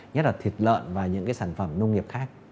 nhất là thịt lợn và những cái sản phẩm nông nghiệp khác